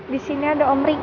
disini ada om ricky